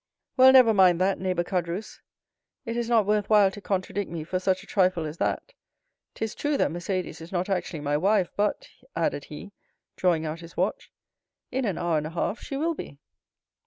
"Well, never mind that, neighbor Caderousse; it is not worthwhile to contradict me for such a trifle as that. 'Tis true that Mercédès is not actually my wife; but," added he, drawing out his watch, "in an hour and a half she will be."